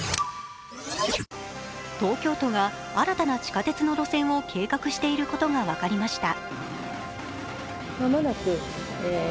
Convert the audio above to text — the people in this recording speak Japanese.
東京都が新たな地下鉄の路線を計画していることが分かりました。